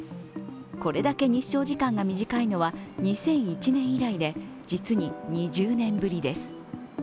これだけ日照時間が短いのは２００１年以来で実に２０年ぶりです。